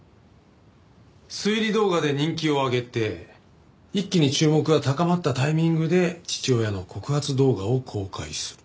推理動画で人気を上げて一気に注目が高まったタイミングで父親の告発動画を公開する。